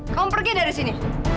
kamu pergi dari sini